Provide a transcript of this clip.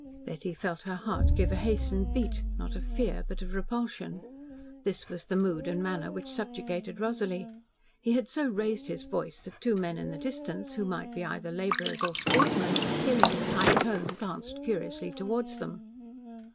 Betty felt her heart give a hastened beat, not of fear, but of repulsion. This was the mood and manner which subjugated Rosalie. He had so raised his voice that two men in the distance, who might be either labourers or sportsmen, hearing its high tone, glanced curiously towards them.